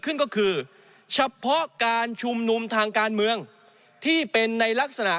ขึ้นก็คือเฉพาะการชุมนุมทางการเมืองที่เป็นในลักษณะ